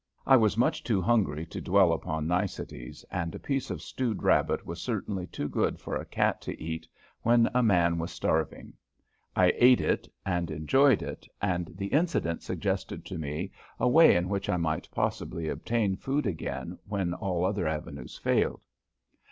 I was much too hungry to dwell upon niceties, and a piece of stewed rabbit was certainly too good for a cat to eat when a man was starving. I ate it and enjoyed it, and the incident suggested to me a way in which I might possibly obtain food again when all other avenues failed.